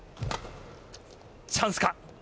チャンスか。